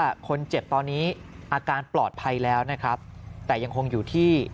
คนเจ็บตอนนี้อาการปลอดภัยแล้วนะครับแต่ยังคงอยู่ที่